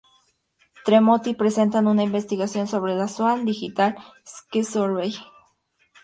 Tremonti presentan una investigación sobre la Sloan Digital Sky Survey.